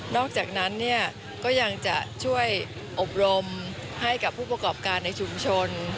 อกจากนั้นก็ยังจะช่วยอบรมให้กับผู้ประกอบการในชุมชน